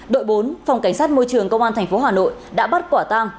đội bốn phòng cảnh sát môi trường công an tp hà nội đã bắt quả tang